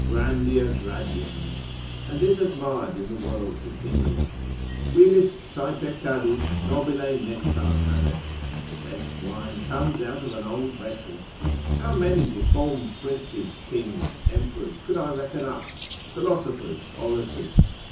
grandia gradiens, and is admired in the world's opinion: Vilis saepe cadus nobile nectar habet, the best wine comes out of an old vessel. How many deformed princes, kings, emperors, could I reckon up, philosophers, orators?